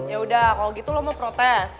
yaudah kalau gitu lo mau protes